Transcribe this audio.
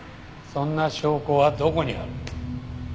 そんな証拠はどこにある？